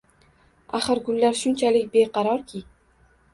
Axir, gullar shunchalik beqarorki!..